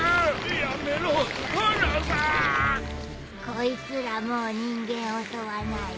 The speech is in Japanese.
こいつらもう人間襲わない。